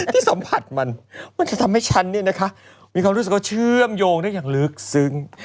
ที่สัมผัสมันมันจะทำให้ฉันเนี่ยนะคะมีความรู้สึกว่าเชื่อมโยงได้อย่างลึกซึ้ง